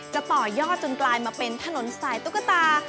ต่อยอดจนกลายมาเป็นถนนสายตุ๊กตา